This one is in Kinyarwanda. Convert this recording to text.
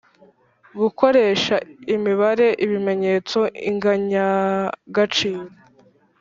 • Gukoresha imibare, ibimenyetso, inganyagaciro.